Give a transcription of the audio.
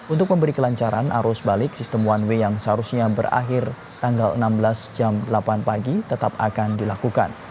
untuk memberi kelancaran arus balik sistem one way yang seharusnya berakhir tanggal enam belas jam delapan pagi tetap akan dilakukan